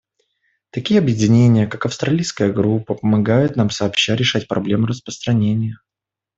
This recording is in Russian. Такие объединения, как Австралийская группа, помогают нам сообща решать проблемы распространения.